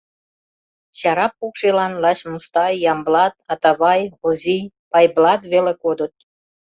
Чара покшелан лач Мустай, Ямблат, Атавай, Озий, Пайблат веле кодыт.